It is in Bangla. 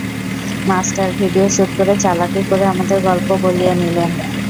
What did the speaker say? মাস্টার, ভিডিও শ্যুট করে চালাকি করে আমাদের গল্প বলিয়ে নিলেন।